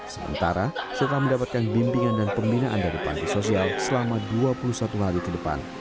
sementara setelah mendapatkan bimbingan dan pembinaan dari panti sosial selama dua puluh satu hari ke depan